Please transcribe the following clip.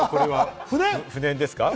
不燃ですか？